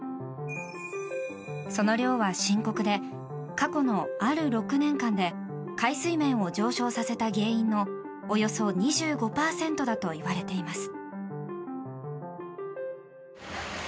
その量は深刻で過去のある６年間で海水面を上昇させた原因のおよそ２５％だといわれています。